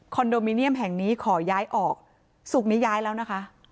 โดมิเนียมแห่งนี้ขอย้ายออกศุกร์นี้ย้ายแล้วนะคะ